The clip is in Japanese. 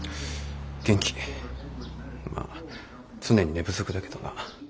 まあ常に寝不足だけどな。